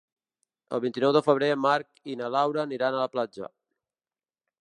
El vint-i-nou de febrer en Marc i na Laura aniran a la platja.